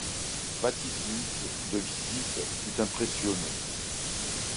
Patti Smith, de visite, fut impressionnée.